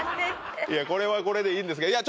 これはこれでいいんですいや